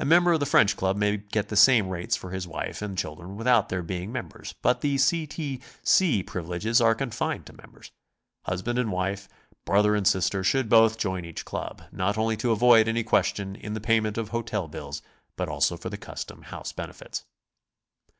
A m.ember of the French Club may get the same rates for his wife and children without their being members, but the C. T. C. privi leges are confined to members. Husband and wife, brother and sister, should both join each club, not only to avoid any question in the payment of hotel bills, but also for the custom house benefits.